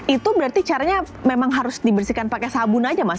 itu berarti caranya memang harus dibersihkan pakai sabun aja mas